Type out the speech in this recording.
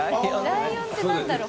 ライオンって何だろう？